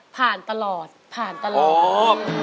ผ่านตลอดผ่านตลอด